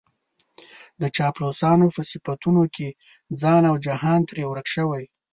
د چاپلوسانو په صفتونو کې ځان او جهان ترې ورک شوی.